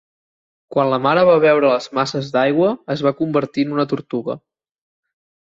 Quan la mare va veure les masses d'aigua, es va convertir en una tortuga.